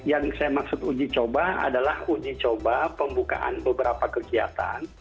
yang saya maksud uji coba adalah uji coba pembukaan beberapa kegiatan